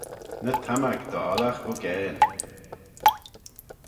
Ny thammag dy ollagh buggane.